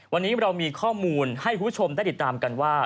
วันนี้เรามีข้อมูลให้คุณผู้ชมได้ติดตามกันว่า